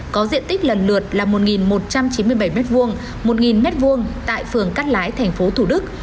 có diện tích lần lượt là một một trăm chín mươi bảy m hai một m hai tại phường cát lái thành phố thủ đức